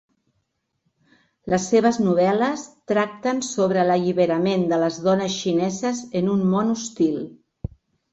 Les seves novel·les tracten sobre l'alliberament de les dones xineses en un món hostil.